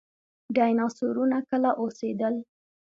ډیناسورونه کله اوسیدل؟